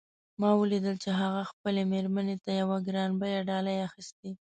ما ولیدل چې هغه خپلې میرمن ته یوه ګران بیه ډالۍ اخیستې